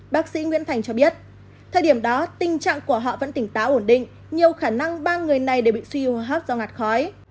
bác sĩ nguyễn thành cho biết thời điểm đó tình trạng của họ vẫn tỉnh táo ổn định nhiều khả năng ba người này đều bị suy hô hấp do ngạt khói